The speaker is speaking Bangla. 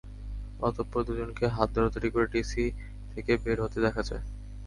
অতঃপর দুজনকে হাত ধরাধরি করে টিএসসি থেকে বের হতে দেখা যায়।